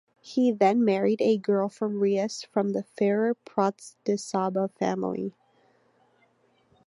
He then married a girl from Reus from the Ferrer Pratdesaba family.